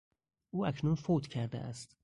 او اکنون فوت کرده است.